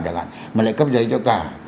mà lại cấp giấy cho cả